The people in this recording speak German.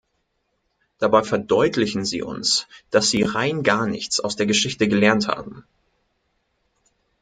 Dabei verdeutlichen sie uns, dass sie rein gar nichts aus der Geschichte gelernt haben.